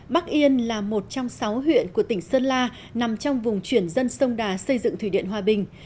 bắc yên là một trong sáu huyện của tỉnh sơn la nằm trong vùng chuyển dân sông đà xây dựng thủy điện hòa bình